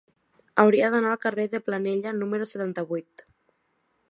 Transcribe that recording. Hauria d'anar al carrer de Planella número setanta-vuit.